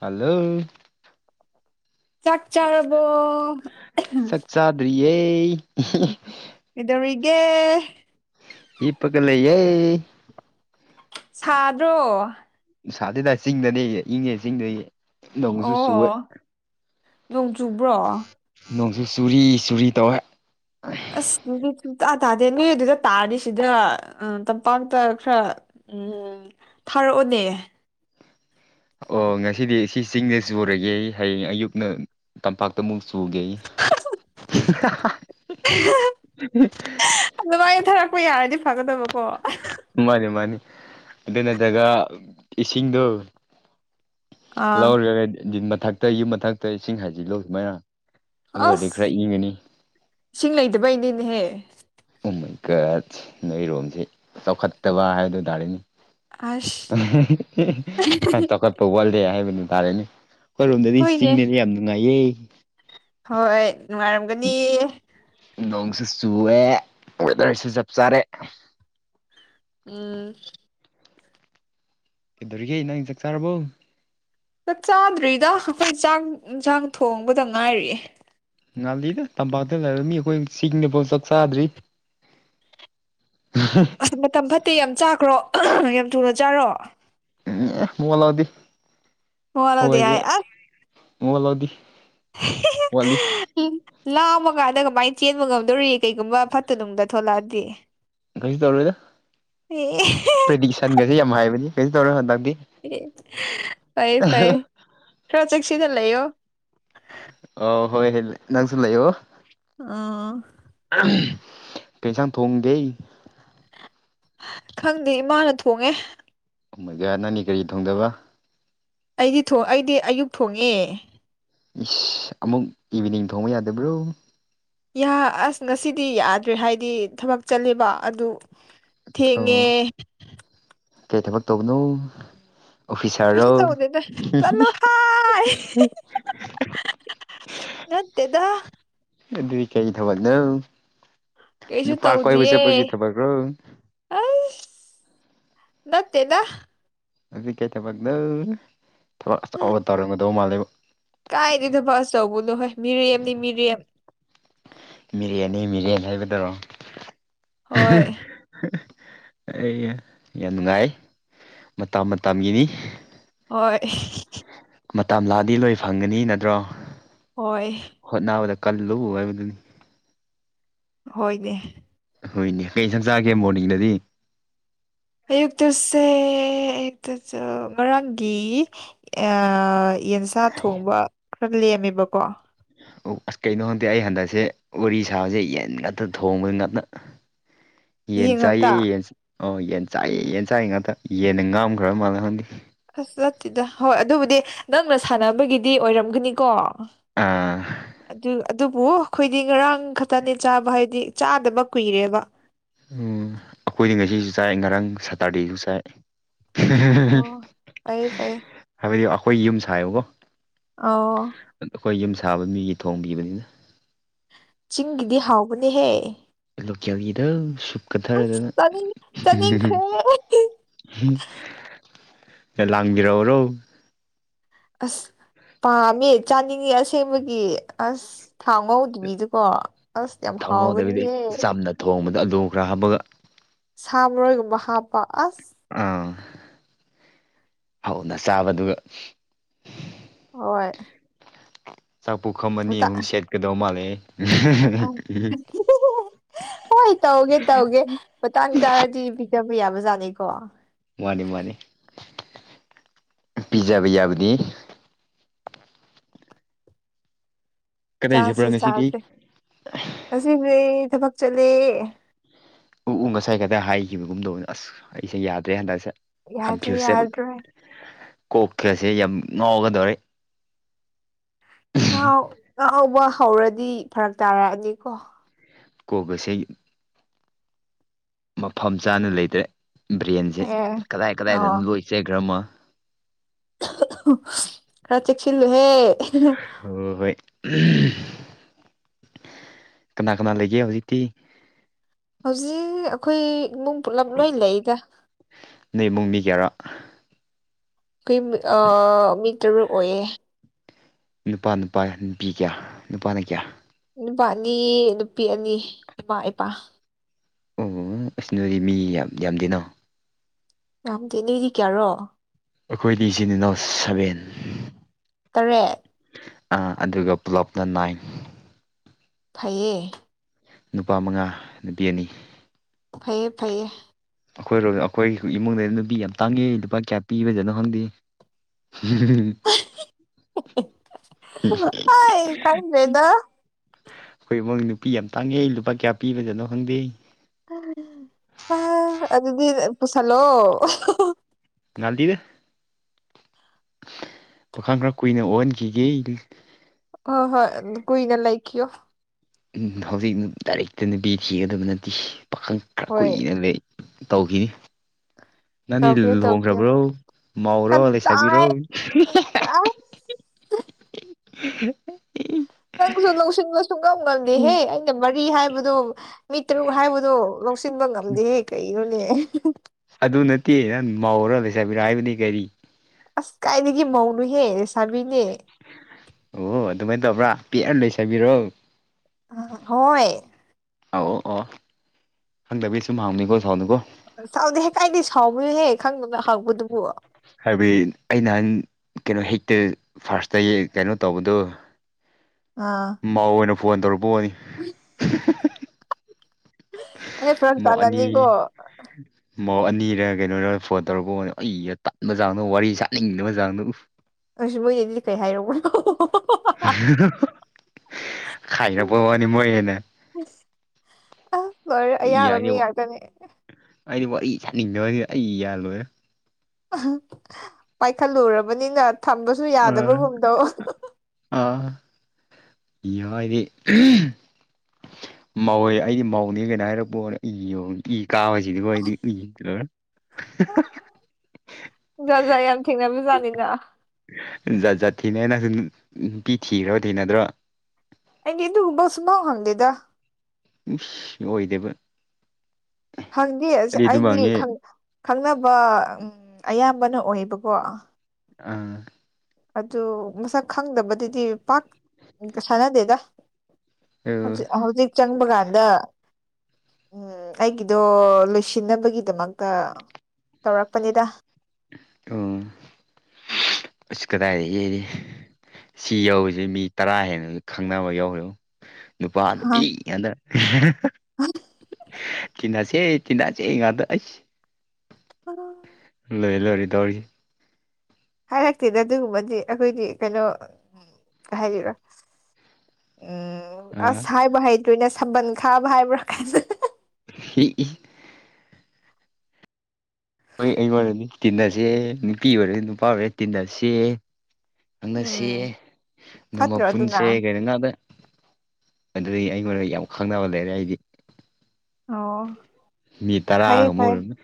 hello ꯆꯥꯛ ꯆꯥꯔꯕꯣ ꯆꯛꯆꯥꯥꯗ꯭ꯔꯤꯌꯦ ꯀꯩꯗꯧꯔꯤꯒꯦ ꯍꯤꯞꯄꯒ ꯂꯌꯦ ꯁꯥꯗ꯭ꯔꯣ ꯁꯥꯗꯦꯗꯥꯏ ꯆꯤꯡꯗꯅꯦ ꯏꯪꯉꯦ ꯆꯤꯡꯗ ꯅꯣꯡꯁꯨ ꯆꯨꯋꯦ ꯑꯣ ꯅꯣꯡ ꯆꯨꯕ꯭ꯔꯣ ꯅꯣꯡꯁꯨ ꯆꯨꯔꯤ ꯆꯨꯔꯤ ꯇꯧꯋꯦ ꯑꯁ ꯑꯗꯨꯗꯤ ꯁꯨꯡꯇꯥ ꯇꯥꯗꯦ ꯅꯣꯏ ꯑꯗꯨꯗ ꯇꯥꯔꯅꯤꯁꯤꯗ ꯇꯝꯄꯥꯛꯇ ꯈꯔ ꯎꯝ ꯊꯥꯔꯛꯑꯣꯅꯦ ꯑꯣ ꯉꯁꯤꯗꯤ ꯁꯤ ꯆꯤꯡꯗ ꯆꯨꯔꯒꯦ ꯑꯩ ꯍꯌꯦꯡ ꯑꯌꯨꯛꯅ ꯇꯝꯄꯥꯛꯇ ꯃꯨꯛꯁꯨꯨꯒ ꯑꯗꯨꯃꯥꯏꯅ ꯊꯔꯛꯄ ꯌꯥꯔꯗꯤ ꯐꯒꯗꯕꯀꯣ ꯃꯥꯅꯤ ꯃꯥꯅꯤ ꯑꯗꯨ ꯅꯠꯇ꯭ꯔꯒ ꯏꯁꯤꯡꯗꯣ ꯑꯥ ꯂꯧꯔꯒ ꯗꯤꯟ ꯃꯊꯛꯇ ꯌꯨꯝ ꯃꯊꯛꯇ ꯏꯁꯤꯡ ꯍꯩꯖꯤꯟ ꯂꯨ ꯁꯨꯃꯥꯏꯅ ꯑꯗꯨ ꯑꯣꯏꯔꯗꯤ ꯈꯔ ꯑꯁ ꯏꯪꯒꯅꯤ ꯏꯁꯤꯡ ꯂꯩꯇꯕꯩꯅꯦꯅꯦꯍꯦ ꯎꯃꯩꯀ ꯅꯩꯔꯣꯝꯁꯦ ꯆꯥꯎꯈꯠꯇꯕ ꯍꯥꯏꯕꯗꯨ ꯇꯥꯔꯦꯅꯦ [inaudible] ꯑꯁ ꯈꯔꯥ ꯆꯥꯎꯈꯠꯄ ꯋꯥꯠꯂꯦ ꯍꯥꯏꯕ ꯇꯥꯔꯦꯅꯦ ꯑꯩꯈꯣꯏꯔꯣꯝꯗꯗꯤ ꯍꯣꯏꯅꯦ ꯆꯤꯡꯅꯦꯅ ꯌꯥꯝ ꯅꯨꯡꯉꯥꯏꯌꯦ ꯍꯣꯏ ꯅꯨꯡꯉꯥꯏꯔꯝꯒꯅꯤ ꯅꯣꯡꯁꯦ ꯆꯨꯑꯦ ꯋꯦꯗꯔꯁꯦ ꯆꯞ ꯆꯥꯔꯦ ꯎꯝ ꯀꯩꯗꯧꯔꯤꯒꯦ ꯅꯪꯒꯤ ꯆꯥꯛ ꯆꯥꯔꯕꯣ ꯆꯥꯛ ꯆꯥꯗ꯭ꯔꯤꯗ ꯑꯩꯈꯣꯏ ꯆꯥꯛ ꯏꯟꯁꯥꯡ ꯊꯣꯡꯕꯗ ꯉꯥꯏꯔꯤ ꯌꯦ ꯉꯥꯜꯂꯤꯗ ꯇꯝꯄꯥꯛꯇ ꯂꯩꯔ ꯃꯤ ꯑꯩꯈꯣꯏ ꯆꯤꯡꯗꯐꯥꯎ ꯆꯥꯛ ꯆꯥꯗ꯭ꯔꯤ ꯎ [unintelligible] ꯑꯁ ꯃꯇꯝ ꯐꯠꯇꯦ ꯌꯥꯝ ꯆꯥꯈ꯭ꯔꯣ ꯌꯥꯝ ꯊꯨꯅ ꯆꯥꯔꯣ ꯎꯝ ꯃꯋꯥ ꯂꯥꯎꯗꯤ ꯃꯉꯣꯟꯗꯗꯤ ꯍꯣꯏꯗꯤ ꯍꯥꯏ ꯑꯁ ꯃꯋꯥ ꯂꯧꯗꯤ ꯋꯥꯠꯂꯤ ꯎ ꯂꯥꯝꯃꯀꯥꯟꯗ ꯀꯃꯥꯏꯅ ꯆꯦꯟꯕ ꯉꯝꯗꯣꯔꯤ ꯀꯩꯒꯨꯝꯕ ꯐꯠꯇꯅꯨꯡꯗ ꯊꯣꯛꯂꯛꯑꯗꯤ ꯀꯩꯁ ꯇꯧꯔꯣꯏꯗ ꯎꯝ [unintelligible] ꯁꯟꯒꯁꯤ ꯌꯥꯝ ꯍꯥꯏꯕꯅꯤ ꯀꯩꯁꯨ ꯇꯧꯔꯣꯏ ꯍꯟꯗꯛꯇꯤ ꯐꯩ ꯐꯩ ꯈꯔ ꯆꯦꯛꯁꯤꯟꯅ ꯂꯩꯌꯣ ꯑ ꯍꯣꯏ ꯍ ꯅꯪꯁꯨ ꯂꯩ ꯑꯣ ꯑꯥ ꯀꯩꯁꯥꯡ ꯊꯣꯡꯒꯦ ꯈꯪꯗꯦ ꯏꯃꯥꯅ ꯊꯣꯡꯉꯦ ꯑꯃꯒ ꯅꯪꯅꯤ ꯀꯔꯤ ꯊꯣꯡꯗꯕ ꯑꯩꯗꯤ ꯑꯩꯗꯤ ꯑꯌꯨꯛ ꯊꯣꯡꯉꯦ ꯏꯁ ꯑꯃꯨꯛ ꯏꯚꯤꯅꯤꯡ ꯊꯣꯡꯕ ꯌꯥꯗꯕ꯭ꯔꯣ ꯑꯁ ꯉꯁꯤꯗꯤ ꯌꯥꯗ꯭ꯔꯦ ꯍꯥꯏꯗꯤ ꯊꯕꯛ ꯆꯠꯂꯦꯕ ꯑꯗꯨ ꯑꯣ ꯊꯦꯡꯉꯦ ꯀꯩ ꯊꯕꯛ ꯇꯧꯕꯅꯣ ꯀꯁ ꯑꯣꯐꯤꯁꯥꯔꯔꯣ ꯆꯧꯗꯅ ꯆꯂꯣ ꯍ ꯅꯠꯇꯦꯗ ꯑꯗꯨꯏ ꯀꯩ ꯊꯕꯛꯅꯣ ꯀꯩꯁꯨ ꯅꯨꯄꯥ ꯀꯣꯏꯕ ꯇꯧꯗꯤꯌꯦ ꯆꯠꯄꯒꯤ ꯊꯕꯛꯔꯣ ꯑꯁ ꯅꯠꯇꯦꯗ ꯑꯗꯨꯏ ꯀꯩ ꯊꯕꯛꯅꯣ ꯊꯕꯛ ꯑꯆꯧꯕ ꯇꯧꯔꯝꯒꯗꯧ ꯃꯥꯜꯂꯦꯕ ꯀꯥꯏꯗꯩꯩ ꯊꯕꯛ ꯑꯆꯧꯕꯅꯣ ꯍꯣꯏ ꯃꯤꯔꯦꯝꯅꯤ ꯃꯤꯔꯦꯝ ꯃꯤꯔꯦꯝ ꯅꯤ ꯃꯤꯔꯦꯝ ꯍꯥꯏꯕꯗꯣ ꯍꯣꯏ ꯑꯩ ꯌꯥꯝ ꯅꯨꯡꯉꯥꯏ ꯃꯇꯝ ꯃꯇꯝꯒꯤꯅꯤ ꯍꯣꯏ ꯃꯇꯝ ꯂꯥꯛꯑꯗꯤ ꯂꯣꯏ ꯐꯪꯒꯅꯤ ꯅꯠꯇ꯭ꯔꯣ ꯍꯣꯏ ꯍꯣꯠ ꯅꯥꯕꯗ ꯀꯜꯂꯨ ꯍꯥꯏꯕꯗꯨꯅꯤ ꯍꯣꯏꯅꯦ ꯍꯣꯏꯅꯦ ꯀꯩ ꯏꯟꯁꯥꯡ ꯆꯥꯒꯦ ꯃꯣꯔꯅꯤꯡꯗꯗꯤ ꯑꯌꯨꯛꯇꯁꯦ ꯑꯌꯨꯛꯇ ꯉꯔꯥꯡꯒꯤ ꯌꯦꯟꯁꯥ ꯊꯣꯡꯕ ꯈꯔ ꯂꯦꯝꯃꯦꯕꯀꯣ ꯑꯁ ꯀꯩꯅꯣ ꯍꯟꯗꯦ ꯑꯩ ꯍꯟꯗꯛꯁꯦ ꯋꯥꯔꯤ ꯁꯥꯕꯁꯦ ꯌꯦꯟ ꯉꯥꯛꯇ ꯊꯣꯡꯕ ꯉꯥꯛꯇ [inaudible] ꯌꯦꯟ ꯉꯥꯛꯇ ꯆꯥꯏꯌꯦ ꯌꯦꯟ ꯑꯣ ꯌꯦꯟ ꯆꯥꯏꯌꯦ ꯌꯦꯟ ꯆꯥꯏ ꯉꯥꯛꯇ ꯌꯦꯟꯟꯅ ꯉꯝꯈ꯭ꯔ ꯃꯥꯜꯂꯦ ꯍꯪꯗꯤ ꯑꯁ ꯆꯠꯇꯦꯗ ꯍꯣꯏ ꯑꯗꯨꯕꯨꯗꯤ ꯅꯪꯅ ꯁꯥꯟꯅꯕꯒꯤꯗꯤ ꯑꯣꯏꯔꯝꯒꯅꯤꯀꯣ ꯑꯥ ꯑꯗꯨ ꯑꯗꯨꯕꯨ ꯑꯩꯈꯣꯏꯗꯤ ꯉꯔꯥꯡ ꯈꯛꯇꯅꯦ ꯆꯥꯕ ꯍꯥꯏꯗꯤ ꯆꯥꯗꯕ ꯀꯨꯏꯔꯦꯕ ꯎꯝ ꯑꯩꯈꯣꯏꯗꯤ ꯉꯁꯤꯁꯨ ꯆꯥꯏ ꯉꯔꯥꯡ ꯁꯥꯇꯔꯗꯦꯁꯨ ꯆꯥꯏ ꯑꯣ ꯐꯩꯌꯦ ꯐꯩꯌꯦ ꯍꯥꯏꯕꯗꯤ ꯑꯩꯈꯣꯏ ꯌꯨꯝ ꯁꯥꯏꯌꯨꯀꯣ ꯑ ꯑꯩꯈꯣꯏ ꯌꯨꯝ ꯁꯥꯕ ꯃꯤꯒꯤ ꯊꯣꯡꯕꯤꯕꯅꯤꯅ ꯆꯤꯡꯒꯤꯗꯤ ꯍꯥꯎꯕꯅꯦꯍꯦ ꯂꯣꯀꯌꯥꯒꯤꯗ ꯁꯨꯞ ꯑꯁ ꯀꯠꯊꯔꯗꯅ ꯆꯥꯅꯤꯡ ꯆꯥꯅꯤꯡꯈ꯭ꯔꯦ ꯂꯒꯔꯥꯎꯔꯣ ꯑꯁ ꯄꯥꯝꯃꯦ ꯆꯥꯅꯤꯡꯉꯦ ꯑꯁꯦꯡꯕꯒꯤ ꯑꯁ ꯊꯥꯡ ꯉꯧꯗꯕꯤꯗꯨꯀꯣ ꯑꯁ ꯌꯥꯝ ꯊꯥꯎꯅꯧꯗꯕꯤꯗ ꯍꯥꯎꯒꯅꯤꯍꯦ ꯆꯝꯅ ꯊꯣꯡꯕꯗ ꯑꯗꯨꯂꯨ ꯈꯔ ꯍꯥꯞꯄꯒ ꯁꯥꯕꯣꯏꯒꯨꯝꯕ ꯍꯥꯞꯄ ꯑꯁ ꯑꯥ ꯍꯧꯅ ꯆꯥꯕꯗꯨꯒ ꯍꯣꯏ ꯆꯥꯛꯄꯨꯈꯝ ꯑꯅꯤ ꯑꯍꯨꯝ ꯁꯦꯠꯀꯗꯧ ꯃꯥꯜꯂꯦ ꯑ ꯍꯣꯏ ꯇꯧꯒꯦ ꯇꯧꯒꯦ ꯃꯇꯥꯡ ꯆꯥꯔꯗꯤ ꯄꯤꯖꯕ ꯌꯥꯕꯖꯥꯠꯅꯩꯀꯣ ꯃꯥꯅꯤ ꯃꯥꯅꯤ ꯄꯤꯖꯕ ꯌꯥꯕꯗꯤ ꯀꯗꯥꯏ ꯆꯥꯁꯦ ꯆꯠꯄ꯭ꯔꯥ ꯉꯁꯤꯗꯤ ꯆꯥꯁꯦ ꯉꯁꯤꯁꯦ ꯊꯕꯛ ꯆꯠꯂꯦ ꯎ ꯎ ꯉꯁꯥꯏ ꯈꯗꯥ ꯍꯥꯏꯈꯤꯕꯒꯨꯝꯗꯧꯅ ꯑꯁ ꯑꯩꯁꯦ ꯌꯥꯗ꯭ꯔꯦ ꯍꯟꯗꯛꯁꯦ ꯌꯥꯗ꯭ꯔꯦ ꯀꯟꯐ꯭ꯌꯨꯁꯁꯦ ꯌꯥꯗ꯭ꯔꯦ ꯀꯣꯛꯈꯤꯕꯁꯦ ꯌꯥꯝ ꯉꯥꯎꯒꯗꯧꯔꯦ ꯌꯥꯍꯥꯎꯕ ꯍꯧꯔꯗꯤ ꯐꯔꯛ ꯇꯥꯔꯛꯑꯅꯤꯀꯣ ꯀꯣꯕꯁꯦ ꯃꯐꯝ ꯆꯥꯅ ꯂꯩꯇ꯭ꯔꯦ ꯕ꯭ꯔꯦꯟꯁꯦ ꯑꯦ ꯀꯗꯥꯏ ꯀꯗꯥꯏꯗ ꯑꯣ ꯂꯣꯏꯆꯩꯈ꯭ꯔꯃ ꯈꯔ ꯆꯦꯛꯁꯤꯂ ꯍꯦ ꯍꯣꯏ ꯍꯣꯏ ꯀꯅꯥ ꯀꯅꯥ ꯂꯩꯒꯦ ꯍꯧꯖꯤꯛꯇꯤ ꯍꯧꯖꯤꯛ ꯑꯩꯈꯣꯏ ꯏꯃꯨꯡ ꯄꯨꯂꯞ ꯂꯣꯏ ꯂꯩꯗ ꯅꯣꯏ ꯏꯃꯨꯡ ꯃꯤ ꯀꯌꯥꯔꯥ ꯑꯩꯣꯏ ꯃꯤ ꯇꯔꯨꯛ ꯑꯣꯏꯌꯦ ꯅꯨꯄꯥ ꯅꯨꯄꯥ ꯅꯨꯄꯤ ꯀꯌꯥ ꯅꯨꯄꯥꯅ ꯀꯌꯥ ꯅꯨꯄꯥ ꯑꯅꯤ ꯅꯨꯄꯤ ꯑꯅꯤ ꯏꯃꯥ ꯏꯄꯥ ꯑꯣ ꯑꯁꯅꯣꯗꯤ ꯃꯤ ꯌꯥꯝ ꯌꯥꯝꯗꯦꯅꯣ ꯉꯗꯤ ꯅꯗꯤ ꯀꯌꯥꯔꯣ ꯑꯩꯈꯣꯏꯗꯤ ꯏꯆꯤꯤꯟ ꯏꯅꯥꯎ ꯁꯕꯦꯟ ꯇꯔꯦꯠ ꯑ ꯑꯗꯨꯒ ꯄꯨꯂꯞꯅ ꯅꯥꯏꯟ ꯐꯩꯌꯦ ꯅꯨꯄꯥ ꯃꯉꯥ ꯅꯨꯄꯤ ꯑꯅꯤ ꯐꯩꯌꯦ ꯐꯩꯌꯦ ꯑꯩꯈꯣꯏꯔꯣꯝ ꯑꯩꯈꯣꯏꯒꯤ ꯏꯃꯨꯡꯗ ꯅꯨꯄꯤ ꯌꯥꯝ ꯇꯥꯡꯉꯦ ꯂꯨꯄꯥ ꯀꯌꯥ ꯄꯤꯕꯖꯅꯣ ꯈꯪꯗꯦ ꯍ ꯀ ꯂꯩꯗ ꯑꯩꯈꯣꯏ ꯎꯃꯪ ꯅꯨꯄꯤ ꯌꯥꯝ ꯇꯥꯡꯉꯦ ꯂꯨꯄꯥ ꯀꯌꯥ ꯄꯤꯕꯖꯠꯅꯣ ꯈꯪꯗꯦ ꯑꯗꯨꯗꯤ ꯄꯨꯁꯜꯂꯣ ꯉꯜꯗꯗ ꯄꯥꯈꯥ ꯈꯔ ꯀꯨꯏꯅ ꯑꯣꯛꯍꯟꯈꯤꯒꯦ ꯍ ꯍꯣꯏ ꯀꯣꯏ ꯉ ꯂꯥꯏ ꯀꯣ ꯍꯧꯖꯤꯛ ꯗꯥꯏꯔꯦꯛꯇ ꯅꯨꯄꯤ ꯊꯤꯒꯗꯕ ꯅꯠꯇꯦ ꯄꯥꯈꯪ ꯈꯔ ꯍꯣꯏ ꯀꯨꯏꯅ ꯂꯩ ꯇꯧꯈꯤꯅꯤ ꯅꯪꯅꯤ ꯇꯧꯈꯤꯌꯣ ꯇꯧꯈꯤꯌꯣ ꯂꯨꯍꯣꯡꯈ꯭ꯔꯕ꯭ꯔꯣ ꯃꯥꯥꯎꯔꯣ ꯂꯩꯁꯥꯕꯤꯔꯣ ꯑ [unintelligible] ꯆꯪꯁꯨ ꯂ ꯂꯧꯁꯤꯟ ꯂꯁꯨ ꯀꯝꯒꯗꯦ ꯍꯦ ꯃꯤꯅ ꯃꯔꯤ ꯍꯥꯏꯕꯗꯣ ꯃꯤ ꯇꯔꯨꯛ ꯍꯥꯏꯕꯗꯣ ꯂꯧꯁꯤꯟꯕ ꯉꯝꯗꯦ ꯀꯒꯤꯅꯣꯅꯦ ꯑꯗꯨ ꯅꯠꯇꯦ ꯅꯪ ꯃꯥꯧꯔ ꯂꯩꯁꯥꯕꯤꯔꯥ ꯍꯥꯏꯕꯅꯤ ꯀꯔꯤ ꯑꯁ ꯀꯥꯏꯗꯒꯤ ꯃꯧꯅꯨꯍꯦ ꯔꯦꯁꯥꯕꯤꯅꯦ ꯑꯣ ꯑꯗꯨꯃꯥꯏꯅ ꯇꯧꯕ꯭ꯔꯥ ꯄꯦꯑ ꯂꯩꯁꯕꯤꯔꯛꯣ ꯍꯣꯏ ꯑ ꯑꯣ ꯈꯪꯗꯕꯤ ꯁꯨꯝ ꯍꯥꯎꯅꯤꯀꯣ ꯁꯥꯎꯗꯀꯣ ꯆꯥꯎꯥꯎꯗ ꯍꯦꯛ ꯀꯥꯏꯩ ꯁꯥꯎꯕꯅꯣꯍꯦꯛ ꯈꯪꯗꯅ ꯍꯪꯕꯗꯨꯕꯨ ꯍꯥꯏꯕꯗꯤ ꯑꯩ ꯅꯍꯥꯟ ꯀꯩꯅꯣ ꯍꯦꯛꯇ ꯐꯥꯔꯁꯇ ꯀꯩꯅꯣ ꯇꯧꯕꯗꯣ ꯑꯥ ꯃꯥꯎ ꯑꯣꯏꯅ ꯐꯣꯟ ꯇꯧꯔꯛꯄꯣꯅꯤ ꯑꯩ ꯐꯔꯛ ꯃ ꯑꯅꯤ ꯇꯥꯅꯅꯤꯀꯣ ꯃ ꯑꯅꯤꯔ ꯀꯩꯅꯣꯔ ꯐꯣꯟ ꯇꯧꯔꯛꯄ ꯑꯩꯒ ꯇꯠꯕ ꯆꯥꯡꯗꯣ ꯋꯥꯔꯤ ꯁꯥꯅꯤꯡꯗꯕ ꯆꯥꯡꯗꯣ ꯎ ꯑ ꯃꯣꯏꯅ ꯑꯗꯨꯗꯤ ꯀꯩ ꯍꯥꯏꯔꯨꯕ꯭ꯔꯣ ꯈꯥꯏꯅ ꯄꯣ ꯋꯥꯅꯤ ꯃꯣꯏꯦꯅ ꯑ ꯔꯦ ꯑꯩ ꯑꯌꯥꯕ ꯌꯥꯏꯗꯤ ꯃꯤ ꯉꯥꯛꯇꯅꯦ ꯑꯩꯗꯤ ꯋꯥꯔꯤ ꯁꯥꯅꯤꯡꯗꯁꯤꯗꯤ ꯑꯩ ꯌꯥꯜꯂꯣꯏꯦ ꯄꯥꯏꯈꯠꯂꯨꯔꯕꯅꯤꯅ ꯊꯝꯕꯁꯨ ꯌꯥꯗꯕꯒꯨꯝꯗꯧ ꯑ ꯏꯗꯤ ꯃꯧꯋꯦ ꯑꯩꯗꯤ ꯃꯧꯅꯦ ꯀꯩꯅ ꯍꯥꯏꯔꯛꯄꯅꯦ ꯑꯩ ꯌꯧ ꯏ ꯀꯥꯕꯁꯤꯗꯤꯀꯣ ꯑꯩꯗꯤ ꯎꯏꯔ ꯖꯥꯖꯥ ꯌꯥꯝ ꯊꯦꯡꯅꯕꯖꯥꯅꯤꯅ ꯖꯥꯠ ꯖꯥꯠ ꯊꯤꯅꯦ ꯅꯪꯁꯨ ꯅꯨꯄꯤ ꯊꯤꯈ꯭ꯔꯣ ꯊꯤꯅꯗ꯭ꯔꯣ ꯑꯩ ꯏ ꯑꯗꯨꯕꯁꯨꯃ ꯍꯪꯗꯦꯗ ꯑꯣꯏꯗꯦꯕ ꯈꯪꯗꯦ ꯑꯁ ꯑꯩꯗꯤ ꯈꯪꯅꯕ ꯎ ꯑꯌꯥꯝꯕꯅ ꯑꯣꯏꯌꯦꯕꯀꯣ ꯑꯥ [unintelligible] ꯑꯗꯨ ꯃꯁꯛ ꯈꯪꯗꯕꯗꯨꯗꯤ ꯄꯥꯛ ꯁꯥꯟꯅꯗꯦꯗ ꯑꯥ ꯍꯧꯖꯤ ꯍꯧꯖꯤꯛ ꯆꯪꯕ ꯀꯥꯟꯗ ꯎꯝ ꯑꯩꯒꯤꯗꯣ ꯂꯣꯏꯁꯤꯟꯅꯕꯒꯤꯗꯃꯛꯇ ꯇꯧꯔꯛꯄꯅꯤꯗ [unintelligible] ꯍꯧꯁꯨ ꯀꯗꯥꯥꯏꯔꯤ ꯌꯦꯗꯤ ꯁꯤ ꯌꯧꯔꯤꯁꯤꯦ ꯃꯤ ꯇꯔꯥ ꯍꯦꯟꯅ ꯈꯪꯅꯕ ꯌꯧꯔꯨ ꯅꯨꯄꯥ ꯅꯨꯄꯤꯉꯗ ꯍꯥ ꯇꯤꯟꯅꯁꯦ ꯇꯤꯟꯅꯁꯦ ꯑꯩ ꯉꯥꯗ ꯑꯩꯁ ꯎꯝ ꯂꯣꯏꯔꯦ ꯂꯣꯏꯔ ꯇꯧꯔꯤ ꯍꯥꯏꯔꯛꯇꯦꯗ ꯑꯗꯨꯒꯨꯝꯕꯗꯤ ꯑꯩꯈꯣꯏꯗꯤ ꯀꯩꯅꯣ ꯎ ꯍꯥꯏꯔꯤꯕ ꯎꯝ ꯑꯥ ꯑꯁ ꯍꯥꯏꯕ꯭ꯔꯣ ꯍꯩꯇꯣꯏꯅꯦ ꯁꯝꯕꯜ ꯈꯥꯕ ꯍꯥꯏꯕ꯭ꯔꯥ ꯈ ꯍ ꯍꯣꯏ ꯑꯩ ꯑꯣꯏꯔꯗꯤ ꯇꯤꯟꯅꯁꯦ ꯅꯨꯄꯤ ꯑꯣꯏꯔ ꯅꯨꯄꯥ ꯑꯣꯏꯔꯦ ꯇꯤꯟꯗꯁꯦ ꯅꯪꯅ ꯁꯤ ꯎꯝ ꯅ ꯐꯠꯇ꯭ꯔꯣ ꯑꯗꯨꯅ ꯃꯄꯨꯟꯁꯦ ꯀꯩꯅꯣ ꯉꯗ ꯑꯗꯨꯗꯒꯤ ꯑꯩꯉꯣꯟꯗ ꯌꯥꯝ ꯈꯪꯅꯕ ꯂꯩꯔꯦ ꯑꯩꯗꯤ ꯑꯣ ꯃꯤ ꯇꯔꯥ ꯐꯩꯌꯦ ꯐꯩ ꯑꫭꯏꯔꯝꯅꯤ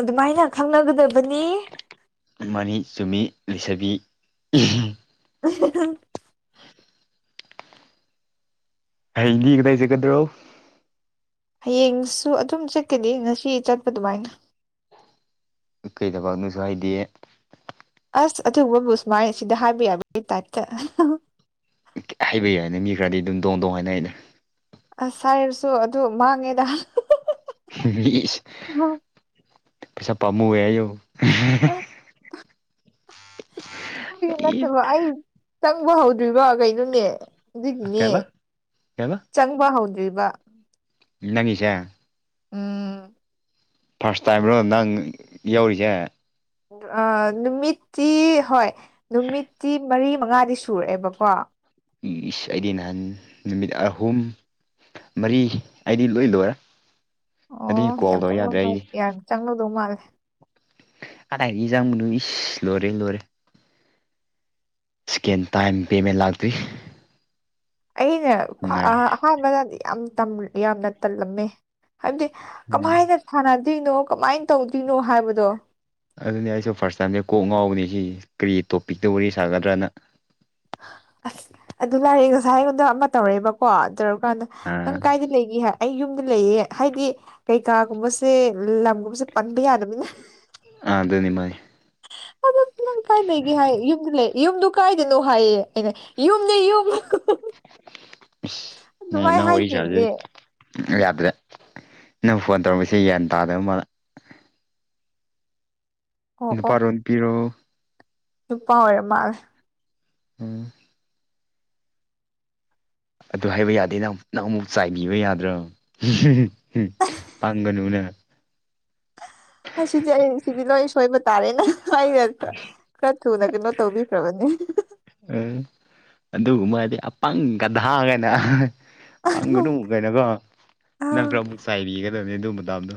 ꯑꯗꯨꯃꯥꯏꯅ ꯈꯪꯅꯒꯗꯕꯅꯤ ꯃꯥꯅꯤ ꯆꯨꯝꯃꯤ ꯂꯩꯁꯥꯕꯤ [unintelligible] ꯍꯌꯦꯡꯗꯤ ꯀꯗꯥꯏ ꯆꯠꯒꯗ꯭ꯔꯣ ꯍꯌꯦꯡꯁꯨ ꯑꯗꯨꯝ ꯆꯠꯀꯅꯤ ꯉꯁꯤ ꯆꯠꯄ ꯑꯗꯨꯃꯥꯏꯅ ꯀꯩ ꯊꯕꯛꯅꫭꯁꯨ ꯍꯥꯏꯗꯦ ꯑꯁ ꯑꯊꯕꯕꯨ ꯁꯨꯃꯥꯏꯅ ꯁꯤꯗ ꯍꯥꯏꯕ ꯌꯥꯕꯒꯤ ꯇꯥꯏꯞꯇ ꯍꯥꯏꯕ ꯌꯥꯏꯅꯦ ꯃꯤ ꯈꯔꯗꯤ ꯑꯗꯨꯝ ꯗꯣꯡ ꯗꯣꯡ ꯍꯥꯏꯅꯩꯗ ꯑꯁ ꯍꯥꯏꯔꯁꯨ ꯑꯗꯨ ꯃꯥꯡꯉꯦꯗ ꯏꯁ ꯄꯩꯁꯥ ꯄꯥꯃꯨꯋꯦ ꯍꯥꯏꯌꯨ ꯑ ꯁꯤ ꯏ ꯅꯠꯇꯕ ꯑꯩ ꯆꯪꯕ ꯍꯧꯗ꯭ꯔꯤꯕ ꯀꯩꯅꯣꯅꯦ ꯑꯗꯨꯒꯤꯅꯦ ꯀꯩꯕ ꯀꯩꯕ ꯆꯪꯕ ꯍꯧꯗ꯭ꯔꯤꯕ ꯅꯪꯉꯤꯁꯦ ꯎꯝ ꯐꯥꯔꯁ ꯇꯥꯏꯝꯔꯣ ꯅꯪ ꯌꯧꯔꯤꯁꯦ ꯑ ꯅꯨꯃꯤꯠꯇꯤ ꯍꯣꯏ ꯅꯨꯃꯤꯠꯇꯤ ꯃꯔꯤ ꯃꯪꯉꯥꯗꯤ ꯁꯨꯔꯦꯕꯀꯣ ꯏꯁ ꯑꯩꯗꯤ ꯅꯍꯥꯟ ꯅꯨꯃꯤꯠ ꯑꯍꯨꯝ ꯃꯔꯤ ꯑꯩꯗꯤ ꯂꯣꯏ ꯂꯣꯏꯔꯦ ꯑꯗꯨꯒꯤ ꯑꯣ ꯀꯣꯜ ꯌꯥꯝ ꯇꯧ ꯌꯥꯗ꯭ꯔꯦ ꯆꯪꯂꯝꯗꯧ ꯑꯩꯗꯤ ꯌꯥꯝ ꯆꯪꯂꯝꯗꯧ ꯃꯥꯜꯂꯦ ꯑꯗꯥꯥꯏꯗꯤꯖꯥꯡ ꯃꯅꯣ ꯏꯁ ꯂꫭꯏꯔꯦ ꯂꫭꯏꯔꯦ ꯏꯁꯀꯦꯟ ꯇꯥꯏꯝ ꯄꯦꯃꯦꯟ ꯂꯥꯛꯇꯣꯏꯅꯤ ꯑꯩꯅ ꯑꯍꯥꯟꯕꯗꯗꯤ ꯌꯥꯝ ꯌꯥꯝꯅ ꯇꯜꯂꯝꯃꯦ ꯍꯥꯏꯕꯗꯤ ꯎꯝ ꯀꯃꯥꯏꯅ ꯁꯥꯟꯅꯗꯣꯏꯅꯣ ꯀꯃꯥꯏꯅ ꯇꯧꯗꯣꯏꯅꯣ ꯍꯥꯏꯕꯗꯣ ꯑꯗꯨꯅꯤ ꯑꯩꯁꯨ ꯐꯥꯔꯁ ꯇꯥꯏꯝꯗ ꯀꯣꯛ ꯉꯥꯎꯕꯅꯤ ꯁꯤ ꯀꯔꯤ ꯇꯣꯄꯤꯛꯇ ꯋꯥꯔꯤ ꯁꯥꯒꯗ꯭ꯔꯅ ꯑꯁ ꯑꯗꯨ ꯂꯥꯏꯔꯤ ꯉꯁꯥꯏ ꯑꯩꯉꯣꯟꯗ ꯑꯃ ꯇꯧꯔꯦꯕꯀꯣ ꯇꯧꯔꯀꯥꯟꯗ ꯅꯪ ꯑꯥ ꯀꯥꯏꯗ ꯂꯩꯒꯤ ꯍꯥ ꯑꯩ ꯌꯨꯝꯗ ꯂꯩꯌꯦ ꯍꯥꯏꯗꯤ ꯀꯩꯀꯥꯒꯨꯝꯕꯁꯦ ꯂꯝꯒꯨꯝꯕꯁꯦ ꯄꯟꯕ ꯌꯥꯗꯕꯅꯤꯅ ꯑꯥ ꯑꯗꯨꯅꯤ ꯃꯥꯅꯤ ꯑꯗꯨ ꯅꯪ ꯀꯥꯏ ꯂꯩꯒꯦ ꯍꯥꯏ ꯌꯨꯝꯗ ꯂꯩ ꯌꯨꯝꯗꯨ ꯀꯥꯏꯗꯅꯣ ꯍꯥꯏꯌꯦ ꯑꯩꯅ ꯌꯨꯝꯅꯦ ꯌꯨꯝ ꯏꯁ ꯅ ꯑꯗꯨꯃꯥꯏ ꯅ ꯋꯥꯔꯤ ꯆꯥꯔꯖꯤ ꯍꯥꯏꯈꯤꯕꯅꯦ ꯌꯥꯗꯔꯦ ꯅꯪ ꯐꯣꯟ ꯇꯧꯔꯛꯄꯁꯦ ꯒ꯭ꯌꯥꯟ ꯇꯥꯗ ꯃꯥꯜꯂꯦ ꯑꯣ ꯑꯣ ꯅꯨꯄꯥꯔꯣ ꯅꯨꯄꯤꯔꯣ ꯅꯨꯄꯥ ꯑꯣꯏꯔ ꯃꯥꯜꯂꯦ ꯎꯝ ꯑꯗꯨ ꯍꯥꯏꯕ ꯌꯥꯗꯦ ꯅꯪ ꯅꯪ ꯑꯃꯨꯛ ꯆꯥꯏꯕꯤꯕ ꯌꯥꯗ꯭ꯔꫭ ꯄꯪꯒꯅꯨꯅꯦ ꯑꯁꯤꯗꯤ ꯑꯩ ꯁꯤꯗꯤ ꯂꯣꯏ ꯁꯣꯏꯕ ꯇꯥꯔꯦꯅꯦ ꯈꯔ ꯊꯨꯅ ꯀꯩꯅꯣ ꯇꯧꯕꯤꯈ꯭ꯔꯕꯅꯦ ꯎꯝ ꯑꯗꯨꯒꯨꯝꯕꯗꯤ ꯑꯄꯪ ꯒꯗꯥ ꯒꯥꯏꯅ ꯐꯪꯒꯅꯨ ꯀꯩꯅꯣꯀꯣ ꯅꯪꯈ꯭ꯔ ꯑꯃꯨꯛ ꯆꯥꯏꯕꯤꯒꯗꯕꯅꯤ ꯑꯗꯨ ꯃꯇꯝꯗꯣ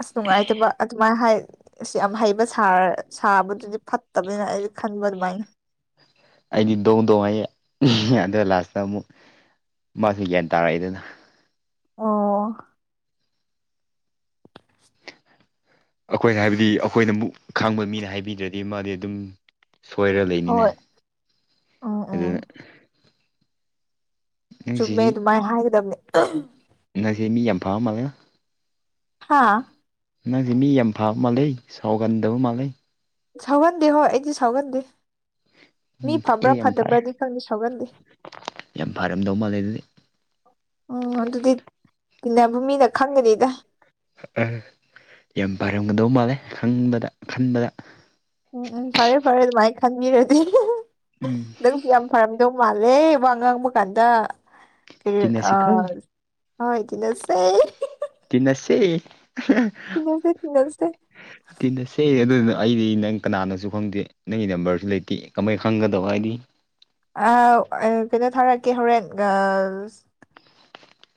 ꯑꯁ ꯅꯨꯡꯉꯥꯏꯇꯕ ꯑꯗꯨꯃꯥꯏ ꯍꯥꯏ ꯑꯁ ꯌꯥꯝ ꯍꯩꯕ ꯁꯥꯕꯗꯨꯗꯤ ꯐꯠꯇꯕꯅꯤꯅ ꯑꯩꯗꯤ ꯈꯟꯕ ꯑꯗꯨꯃꯥꯏꯅ ꯑꯩꯗꯤ ꯗꯣꯡ ꯗꯣꯡ ꯍꯥꯥꯏꯌꯦ ꯑꯗꯨ ꯂꯥꯁꯇ ꯑꯃꯨꯛ ꯃꯥꯁꯨ ꯒ꯭ꯌꯥꯟ ꯇꯥꯔꯛꯏꯗꯅ ꯑꯣ [unintelligible] ꯑꯩꯈꯣꯏꯅ ꯍꯥꯏꯕꯗꯤ ꯑꯩꯈꯣꯏꯅ ꯑꯃꯨꯛ ꯈꯪꯕ ꯃꯤꯅ ꯍꯥꯏꯕꯤꯗ꯭ꯔꯗꯤ ꯃꯥꯗꯤ ꯑꯗꯨꯝ ꯁꯣꯏꯔ ꯂꯩꯅꯤꯅꯦ ꯍꯣꯏ ꯎꯝ ꯎꯝ ꯑꯗꯨꯅ ꯆꯨꯝꯃꯦ ꯅꯪꯁꯤꯗꯤ ꯑꯗꯨꯃꯥꯏ ꯍꯥꯏꯒꯗꯕꯅꯤ ꯅꯪꯁꯦ ꯃꯤ ꯌꯥꯝ ꯐꯥꯝ ꯃꯥꯂ ꯍꯥꯥ ꯅꯪꯁꯦ ꯃꯤ ꯌꯥꯝ ꯐꯥꯕ ꯃꯥꯂꯩ ꯁꯥꯎꯒꯟꯗꯕ ꯃꯥꯜꯂꯤꯩ ꯁꯥꯎꯒꯟꯗꯦ ꯍꯣ ꯑꯩꯗꯤ ꯁꯥꯎꯒꯟꯗꯦ ꯃꯤ ꯎꯝ ꯐꯕ꯭ꯔꯥ ꯑꯩ ꯌꯥꯝ ꯐꯔꯦ ꯐꯠꯇꯕ꯭ꯔꯗꯤ ꯈꯪꯗꯦ ꯁꯥꯎꯒꯟꯗꯦ ꯌꯥꯝ ꯐꯔꯝꯗꯧ ꯃꯥꯜꯂꯦ ꯑꯗꯨꯗꯤ ꯑꯣ ꯑꯗꯨꯗꯤ ꯇꯤꯟꯅꯕ ꯃꯤꯅ ꯈꯪꯒꯅꯤꯗ ꯑ ꯌꯥꯝ ꯄꯥꯔꯝꯒꯗꯧ ꯃꯥꯜꯂꯦ ꯍꯪꯕꯗ ꯈꯟꯕꯗ ꯎꯝ ꯎꯝ ꯐꯔꯦ ꯐꯔꯦ ꯑꯗꯨ ꯃꯥꯏ ꯈꯟꯕꯤꯔꯗꯤ ꯎꯝ ꯅꯪꯁꯨ ꯌꯥꯝ ꯐꯔꯝꯗꯧ ꯃꯥꯜꯂꯦ ꯋꯥ ꯉꯥꯡꯕ ꯀꯥꯟꯗ ꯇꯤꯟꯅꯁꯤꯀꯣ ꯑ ꯍꯣꯏ ꯇꯤꯟꯅꯁꯦ ꯇꯤꯟꯅꯁꯦ ꯇꯤꯟꯅꯁꯦ ꯇꯤꯟꯅꯁꯦ ꯇꯤꯟꯅꯁꯦ ꯑꯗꯨꯅ ꯑꯩꯗꯤ ꯅꯪ ꯀꯅꯥꯅꯁꯨ ꯈꯪꯗꯦ ꯅꯪꯒꯤ ꯅꯝꯕꯔꯁꯨ ꯂꯩꯇꯦ ꯀꯃꯥꯏꯅ ꯈꯪꯒꯗꯕ ꯍꯥꯏꯗꯤ ꯀꯩꯅꯣ ꯊꯥꯔꯛꯀꯦ ꯍꯣꯔꯦꯟ ꯒꯥꯜꯁ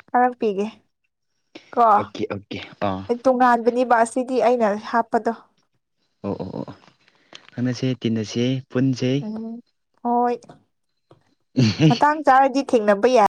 ꯊꯥꯔꯛꯄꯤꯒꯦ ꯀꯣ ꯑꯣꯀꯦ ꯑꯣꯀꯦ ꯑ ꯑꯩ ꯇꯣꯉꯥꯟꯕꯅꯦꯕ ꯑꯁꯤꯗꯤ ꯑꯩꯅ ꯍꯥꯞꯄꯗꯣ ꯑꯣ ꯑꯣ ꯑꯣ ꯈꯪꯅꯁꯦ ꯇꯤꯟꯅꯁꯦ ꯄꯨꯟꯁꯦ ꯎꯝ ꯍꯣꯏ ꯃꯇꯥꯡ ꯆꯥꯔꯗꯤ ꯊꯦꯡꯅꯕ ꯌꯥꯏ